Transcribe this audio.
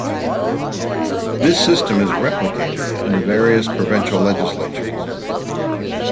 This system is replicated in the various provincial legislatures.